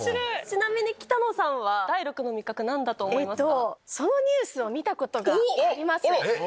ちなみに北乃さんは第６の味覚何だと思いますか？